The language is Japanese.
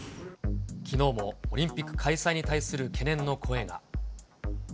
きのうもオリンピック開催に対する懸念の声が。